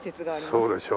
そうでしょ？